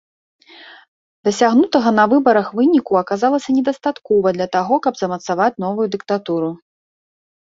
Дасягнутага на выбарах выніку аказалася недастаткова для таго, каб замацаваць новую дыктатуру.